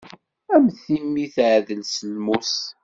A mm timmi teɛdel s lmus.